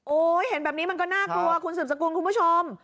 เห็นแบบนี้มันก็น่ากลัวคุณสืบสกุลคุณผู้ชม